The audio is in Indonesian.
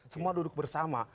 semua duduk bersama